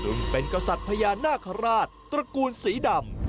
ซึ่งเป็นกษัตริย์พญานาคาราชตระกูลสีดำ